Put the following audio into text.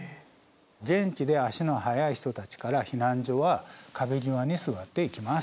元気で足の速い人たちから避難所は壁際に座っていきます。